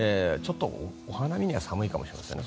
お花見には寒いかもしれませんね。